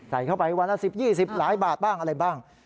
ใส่เข้าไปวันละสิบยี่สิบหลายบาทบ้างอะไรบ้าง